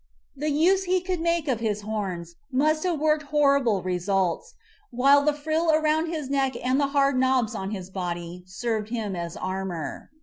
The use he could make of his horns must have worked horrible results, while the frill around his neck and the hard knobs on his body served him as an armor.